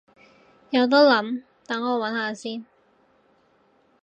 有得諗，等我搵下先